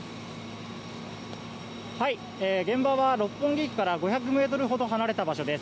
現場は六本木駅から５００ｍほど離れた場所です。